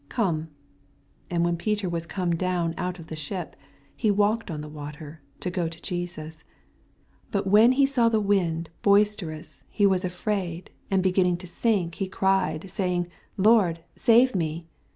Come. And when Peter was oome down out of the ship, he walked on the water, to go to JesuB. 80 But when he saw the windboifr* terous, he was afraid, and beginning to sink, he cried, saying, Lora, savo me.